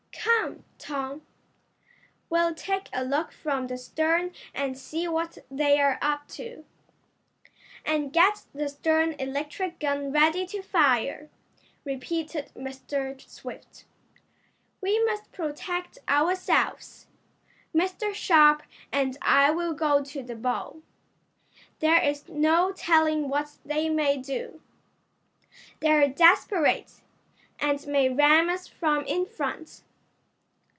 "Come, Tom, we'll take a look from the stern and see what they're up to." "And get the stern electric gun ready to fire," repeated Mr. Swift. "We must protect ourselves. Mr. Sharp and I will go to the bow. There is no telling what they may do. They're desperate, and may ram us from in front."